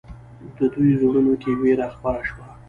د دوی زړونو کې وېره خپره شوه.